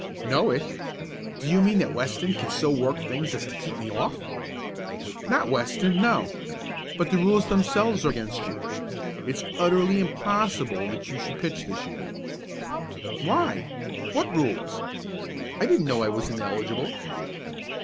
"Know it? Do you mean that Weston can so work things as to keep me off?" "Not Weston; no. But the rules themselves are against you. It's utterly impossible that you should pitch this year." "Why? What rules? I didn't know I was ineligible."